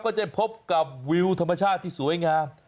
ก็จะพบกับวิวธรรมชาติที่สวยงาม